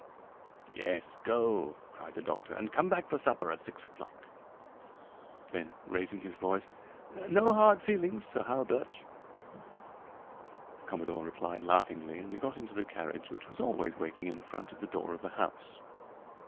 "Yes, go," cried the doctor, "and come back for supper at six o'clock." Then raising his voice: "No hard feelings, Sir Hawerburch." The commodore replied laughingly, and we got into the carriage, which was always waiting in front of the door of the house.